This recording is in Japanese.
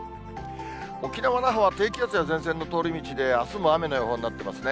沖縄・那覇は低気圧や前線の通り道で、あすも雨の予報になっていますね。